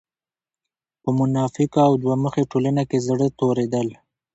په منافقه او دوه مخې ټولنه کې زړۀ توريدل